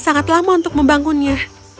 sangat lama untuk membangunnya